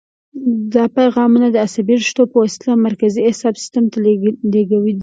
دا پیغامونه د عصبي رشتو په وسیله مرکزي اعصابو سیستم ته لېږدوي.